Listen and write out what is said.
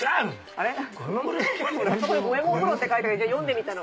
あそこに「五右衛門風呂」って書いてあるから読んでみたの。